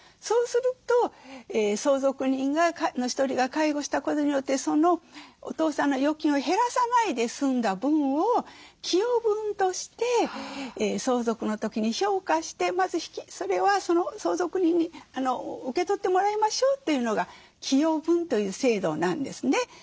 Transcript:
そうすると相続人の１人が介護したことによってそのお父さんの預金を減らさないで済んだ分を寄与分として相続の時に評価してまずそれはその相続人に受け取ってもらいましょうというのが寄与分という制度なんですね。